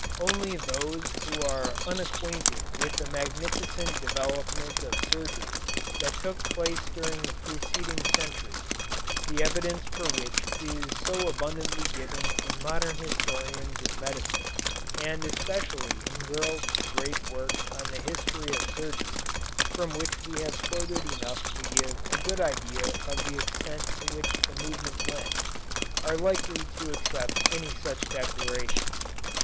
Only those who are unacquainted with the magnificent development of surgery that took place during the preceding century, the evidence for which is so abundantly given in modern historians of medicine and especially in Gurlt's great work on the history of surgery, from which we have quoted enough to give a good idea of the extent to which the movement went, are likely to accept any such declaration.